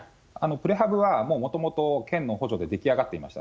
プレハブは、もともと県の補助で出来上がっていました。